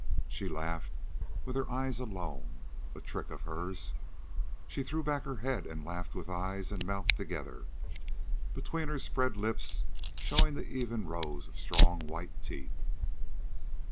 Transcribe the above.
She laughed with her eyes alone a trick of hers. She threw back her head and laughed with eyes and mouth together, between her spread lips showing the even rows of strong white teeth.